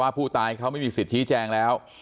ผู้ตายเขาไม่มีสิทธิแจงแล้ว